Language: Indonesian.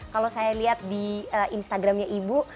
kalau saya lihat di instagramnya ibu